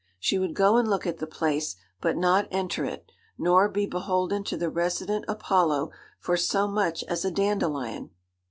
She would go and look at the place, but not enter it, nor be beholden to the resident Apollo for so much as a dandelion.